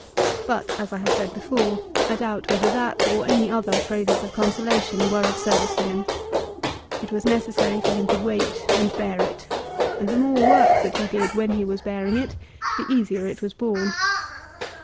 But, as I have said before, I doubt whether that or any other phrases of consolation were of service to him. It was necessary for him to wait and bear it, and the more work that he did when he was bearing it, the easier it was borne.